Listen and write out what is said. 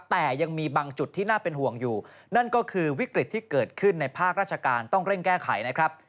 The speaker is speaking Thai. แต่ยังมีบางจุดที่น่าเป็นห่วงอยู่นั่นก็คือวิกฤตที่เกิดขึ้นในภาคราชการต้องเร่งแก้ไขนะครับ